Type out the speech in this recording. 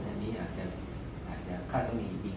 อันนี้อาจจะค่าสมีจริง